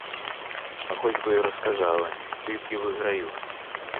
А хоч би й розказали — тільки виграю!